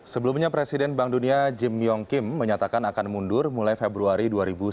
sebelumnya presiden bank dunia jim yong kim menyatakan akan mundur mulai februari dua ribu sembilan belas